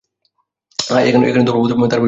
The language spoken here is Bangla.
হায়, এখানে ধর্ম বলতে তার বেশী কিছু বুঝায় না।